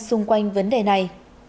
xung quanh vấn đề này